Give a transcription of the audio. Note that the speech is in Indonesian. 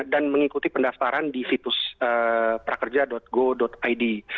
dan mengikuti pendaftaran di situs prakerja go id